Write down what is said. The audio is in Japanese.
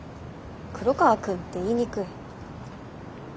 「黒川くん」って言いにくい。